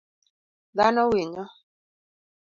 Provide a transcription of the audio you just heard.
Dhano winyo